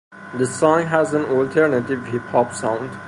The song has an alternative hip hop sound.